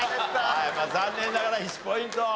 はい残念ながら１ポイント。